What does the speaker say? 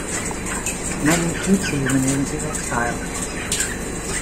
Many Tutsi went into exile.